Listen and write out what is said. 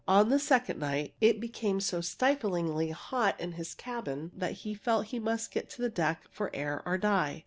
On the second night it became so stiflingly hot in his cabin that he felt he must get to the deck for air or die.